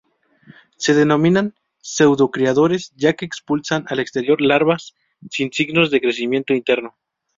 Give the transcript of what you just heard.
Se denominan pseudo-criadores, ya que expulsan al exterior larvas sin signos de crecimiento interno.